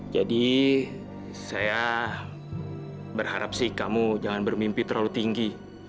jadi saya berharap sih kamu jangan bermimpi terlalu tinggi